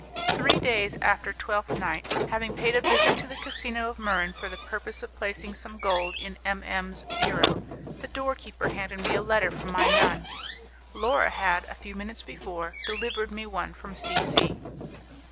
Three days after Twelfth Night, having paid a visit to the casino of Muran for the purpose of placing some gold in M M 's bureau, the door keeper handed me a letter from my nun. Laura had, a few minutes before, delivered me one from C C